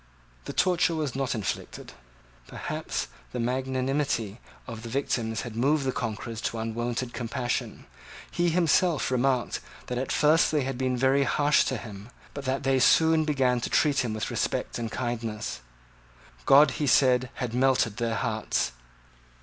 The torture was not inflicted. Perhaps the magnanimity of the victim had moved the conquerors to unwonted compassion. He himself remarked that at first they had been very harsh to him, but that they soon began to treat him with respect and kindness. God, he said, had melted their hearts.